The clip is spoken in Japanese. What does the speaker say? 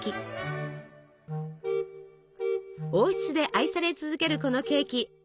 王室で愛され続けるこのケーキ